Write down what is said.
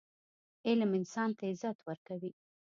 علم انسان ته عزت ورکوي.